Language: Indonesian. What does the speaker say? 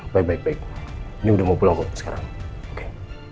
baik baik ini udah mau pulang kok sekarang oke